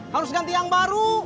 harus ganti yang baru